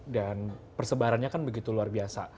dan persebarannya kan begitu luar biasa